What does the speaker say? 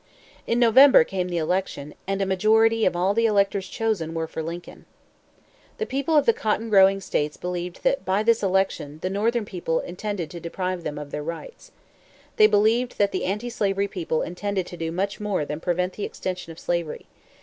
In November came the election, and a majority of all the electors chosen were for Lincoln. The people of the cotton growing states believed that, by this election, the Northern people intended to deprive them of their rights. They believed that the anti slavery people intended to do much more than prevent the extension of slavery.